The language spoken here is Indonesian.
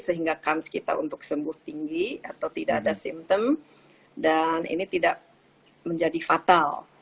sehingga kans kita untuk sembuh tinggi atau tidak ada simptom dan ini tidak menjadi fatal